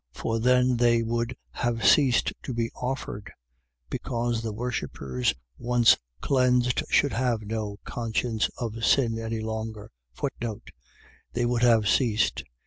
10:2. For then they would have ceased to be offered: because the worshippers once cleansed should have no conscience of sin any longer. They would have ceased.